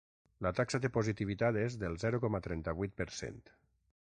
La taxa de positivitat és del zero coma trenta-vuit per cent.